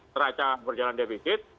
seraca berjalan defisit